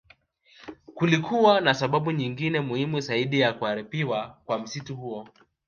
Kulikuwa na sababu nyingine muhimu zaidi za kuharibiwa kwa msitu huo